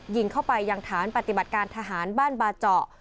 ยิงเข้าไปยังฐานปฏิบัติการทหารบ้านบาเจาะ